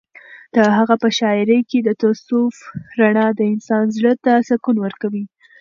د هغه په شاعرۍ کې د تصوف رڼا د انسان زړه ته سکون ورکوي.